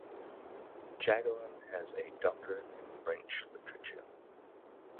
Jacqueline has a doctorate in French Literature.